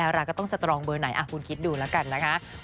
เราก็ต้องสตรองเบอร์ไหนคุณคิดดูแล้วกันนะคะ